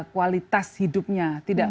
kualitas hidupnya tidak